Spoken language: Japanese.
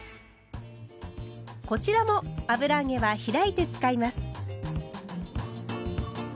こちらも油揚げは開いて使います。